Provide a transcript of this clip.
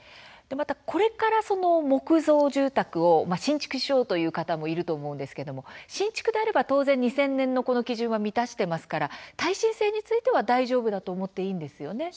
これから木造住宅を新築しようという方もいると思うんですが新築であれば当然２０００年の基準は満たしていますので耐震性については大丈夫だと思っていいんですか。